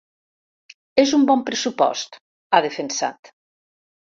És un bon pressupost, ha defensat.